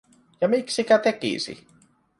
Ja miksikä tekisi?